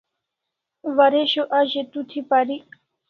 Waresho a ze tu thi parik